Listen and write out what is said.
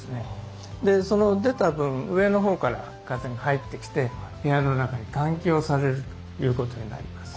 出た分上のほうから風が入ってきて部屋の中に換気をされるということになります。